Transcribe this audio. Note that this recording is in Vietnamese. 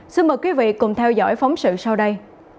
xin mời quý vị cùng theo dõi phóng sự sau đây